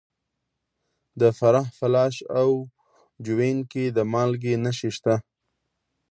د فراه په لاش او جوین کې د مالګې نښې شته.